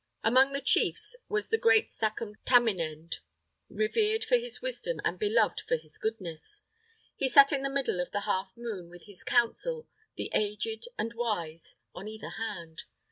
Among the Chiefs, was the Great Sachem Taminend, revered for his wisdom and beloved for his goodness. He sat in the middle of the half moon, with his council, the aged and wise, on either hand.